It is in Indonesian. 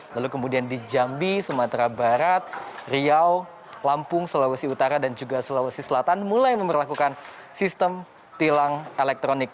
lalu kemudian di jambi sumatera barat riau lampung sulawesi utara dan juga sulawesi selatan mulai memperlakukan sistem tilang elektronik